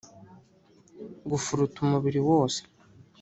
gufuruta umubiri wose